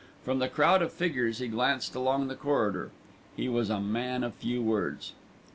From the crowd of figures he glanced along the corridor. He was a man of few words.